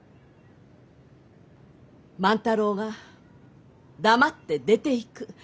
万太郎が黙って出ていく。